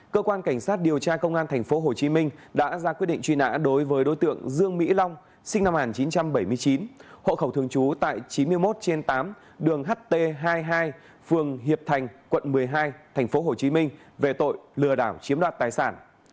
cơ quan cảnh sát điều tra công an tp hcm đã ra quyết định truy nã đối với đối tượng dương mỹ long sinh năm một nghìn chín trăm bảy mươi chín hộ khẩu thường trú tại chín mươi một trên tám đường ht hai mươi hai phường hiệp thành quận một mươi hai tp hcm về tội lừa đảo chiếm đoạt tài sản